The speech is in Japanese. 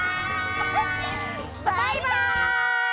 バイバイ！